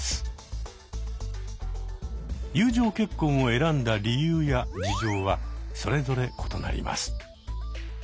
友情結婚を選んだ理由や事情はそれぞれ異なります。